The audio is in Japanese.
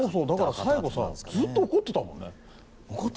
だから、最後ずっと怒ってたもんね。